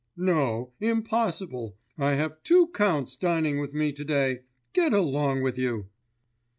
"No, impossible; I have two counts dining with me to day ... get along with you!"